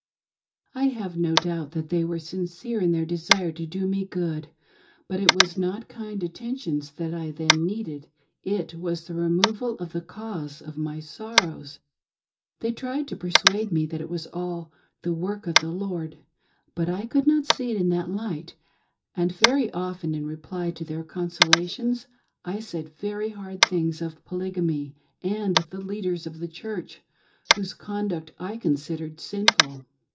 I have no doubt that they were sincere in their desire to do me good, but it was not kind attentions that I then needed, it was the removal of the cause of my sorrows. They tried to persuade me that it was all "the work of the Lord ;" but I could not see it in that light, and very often in reply to their consolations I said very hard things of Poly gamy and the leaders of the Church, whose conduct I consid ered sinful.